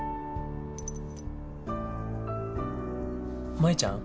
舞ちゃん。